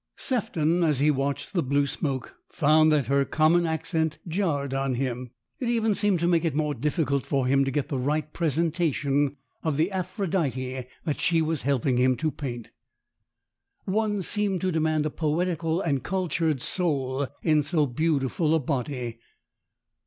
Sefton, as he watched the blue smoke, found that her common accent jarred on him. It even seemed to make it more difficult for him to get the right presentation of the " Aphrodite " that she was helping him to paint. One seemed to demand a poetical and cultured soul in so beautiful a body.